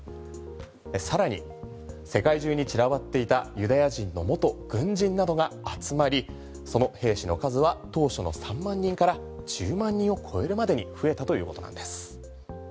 さらに世界中に散らばっていたユダヤ人の元軍人などが集まりその兵士の数は当初の３万人から１０万人を超えるまでに増えたということなんです。